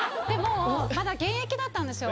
まだ現役だったんですよ